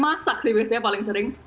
masak sih biasanya paling sering